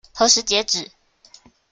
何時截止？